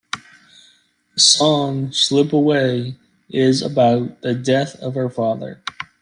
The song "Slip Away" is about the death of her father.